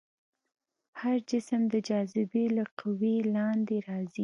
هر جسم د جاذبې له قوې لاندې راځي.